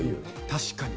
確かに。